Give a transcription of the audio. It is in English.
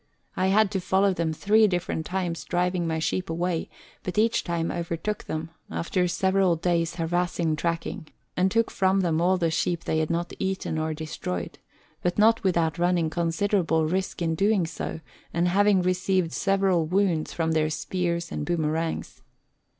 I had to follow them three different times driving my sheep away, but each time overtook them, after several days' harassing tracking, and took from them all the sheep they had not eaten or destroyed ; but not without running considerable risk in doing so, and having received several wounds from their spears and boomerangs.